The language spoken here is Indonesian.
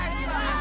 pak pak pak pak